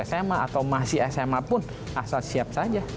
sma atau masih sma pun asal siap saja